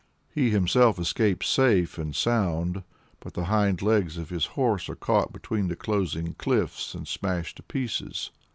He himself escapes safe and sound, but the hind legs of his horse are caught between the closing cliffs, and smashed to pieces.